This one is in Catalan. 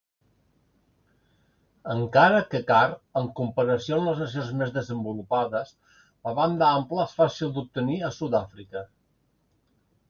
Encara que car, en comparació amb les nacions més desenvolupades, la banda ampla és fàcil d'obtenir a Sudàfrica.